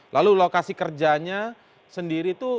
lalu lokasi kerjanya sendiri itu